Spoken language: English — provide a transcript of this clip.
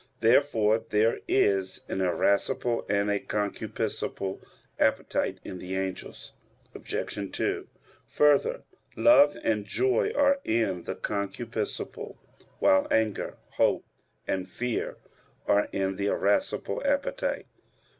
Therefore there is an irascible and a concupiscible appetite in the angels. Obj. 2: Further, love and joy are in the concupiscible; while anger, hope, and fear are in the irascible appetite.